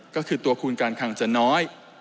ก็คือตัวภูมิการคังจะน้อย